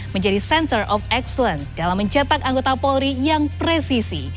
menjadi center of excellence dalam mencetak anggota polri yang presisi